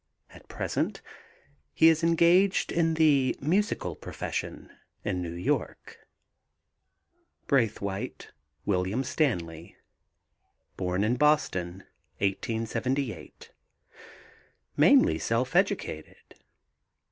At present he is engaged in the musical profession in New York. BRAITHWAITE, WILLIAM STANLEY. Born in Boston, 1878. Mainly self educated.